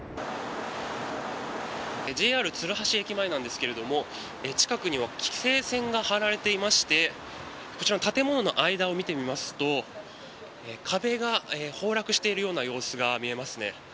ＪＲ鶴橋駅前なんですけど近くには規制線が張られていまして建物の間を見てみますと壁が崩落しているような様子が見えますね。